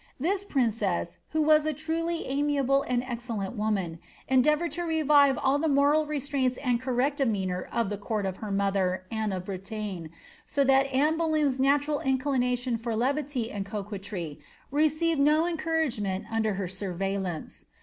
This princess, who was a truly amiable tod excellent woman, endeavoured to revive all the moral restraints and correct demeanour of the court of her mother, Anne of Bretagne, so that Anne Boleyn's natural inclination for levity and coquetry received no encouragement while under her surveillance.